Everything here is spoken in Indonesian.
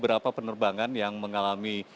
keadaan penerbangan yang berakhir